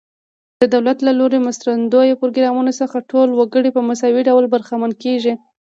د دولت له لوري مرستندویه پروګرامونو څخه ټول وګړي په مساوي ډول برخمن کیږي.